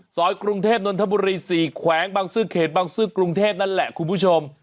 กรุงเทพนนทบุรี๔แขวงบางซื้อเขตบางซื้อกรุงเทพนั่นแหละคุณผู้ชม